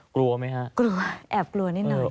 กลัวไหมฮะกลัวแอบกลัวนิดนึง